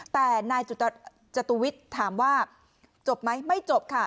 แต่นายจตุวิทย์ถามว่าจบไหมไม่จบค่ะ